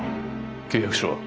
契約書は？